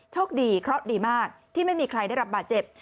โชคดีเคราะห์ดีมากที่ไม่มีใครได้รับบาดเจ็บ